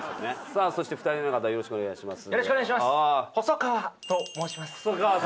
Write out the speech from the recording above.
さあそして３人目の方よろしくお願いします。